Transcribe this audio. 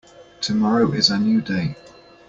Tomorrow is a new day.